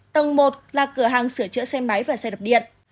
tầng một là cửa hàng sửa chữa xe máy và xe đạp điện